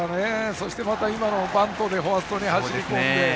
そして今のバントでファーストに走り込んで。